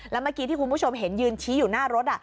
แล้วเมื่อกี้ที่คุณผู้ชมเห็นยืนชี้อยู่หน้ารถ